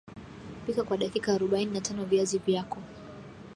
pika kwa dakika arobaini na tano viazi vyako